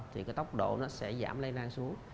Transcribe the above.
thì cái tốc độ nó sẽ giảm lây lan xuống